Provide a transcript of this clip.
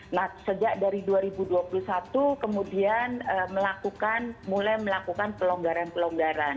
nah sejak dari dua ribu dua puluh satu kemudian melakukan mulai melakukan pelonggaran pelonggaran